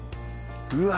うわ！